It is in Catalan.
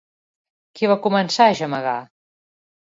Qui va començar a gemegar?